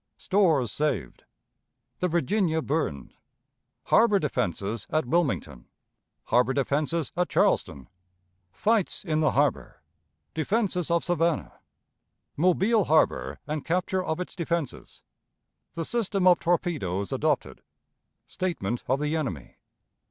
Stores saved. The Virginia burned. Harbor Defenses at Wilmington. Harbor Defenses at Charleston. Fights in the Harbor. Defenses of Savannah. Mobile Harbor and Capture of its Defenses. The System of Torpedoes adopted. Statement of the Enemy.